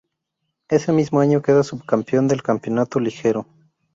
Ese mismo año queda subcampeón del campeonato liguero.